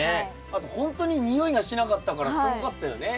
あとほんとに臭いがしなかったからすごかったよね。